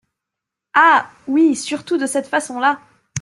Ah ! oui, surtout de cette façon-là !